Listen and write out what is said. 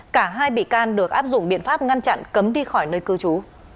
cả hai bị can được áp dụng biện pháp ngăn chặn cấm đi khỏi nơi cư trú